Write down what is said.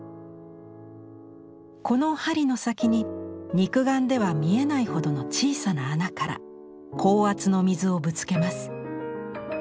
この針の先に肉眼では見えないほどの小さな穴から高圧の水をぶつけます。